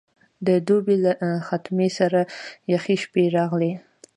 د دوبي له ختمه سره یخې شپې راغلې.